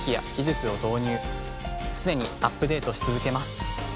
常にアップデートし続けます。